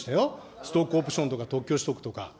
ストックオプションとか特許取得とか。